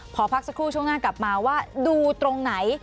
ขอพักสักครู่ช่วงหน้ากลับมาว่าดูตรงไหน